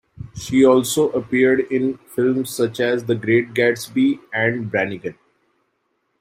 She also appeared in films, such as "The Great Gatsby" and "Brannigan".